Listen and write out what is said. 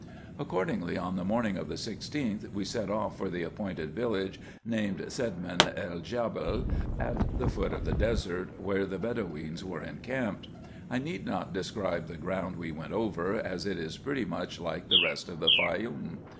Accordingly, on the morning of the lGth, we set off for the appointed village, named Sedmin el Djabel, at the foot of the desert, where the Bedoweens were encamped. I need not describe the ground we went over, as it is pretty much like the rest of the Faioum.